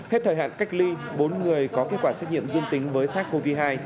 hết thời hạn cách ly bốn người có kết quả xét nghiệm dương tính với sars cov hai